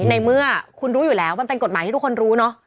ในเมื่อคุณรู้อยู่แล้วมันเป็นกฎหมายที่ทุกคนรู้เนอะ